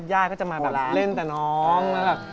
ยาก็จะมาแบบเล่นแต่น้อง